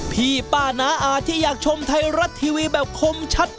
พี่ป้าน้าอาที่อยากชมไทยรัฐทีวีแบบคมชัด